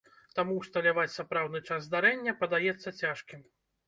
Таму ўсталяваць сапраўдны час здарэння падаецца цяжкім.